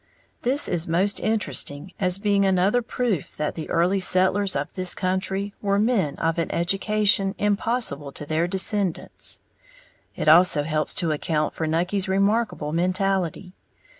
This is most interesting as being another proof that the early settlers of this country were men of an education impossible to their descendants. It also helps to account for Nucky's remarkable mentality.